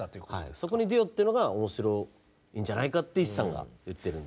そこにデュオっていうのが面白いんじゃないかって一志さんが言ってるんですけど。